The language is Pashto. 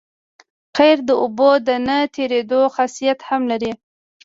قیر د اوبو د نه تېرېدو خاصیت هم لري